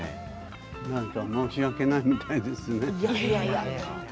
何だか申し訳ないみたいですね。